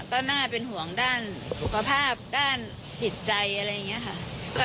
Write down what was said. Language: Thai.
ก็น่าเป็นห่วงด้านสุขภาพด้านจิตใจอะไรอย่างนี้ค่ะ